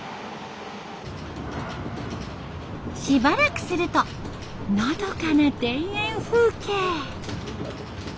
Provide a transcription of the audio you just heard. しばらくするとのどかな田園風景。